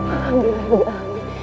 alhamdulillah ibu alamin